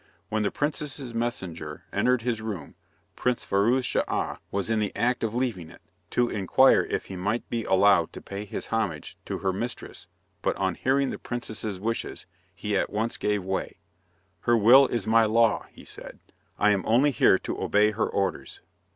When the princess's messenger entered his room, Prince Firouz Schah was in the act of leaving it, to inquire if he might be allowed to pay his homage to her mistress: but on hearing the princess's wishes, he at once gave way. "Her will is my law," he said, "I am only here to obey her orders."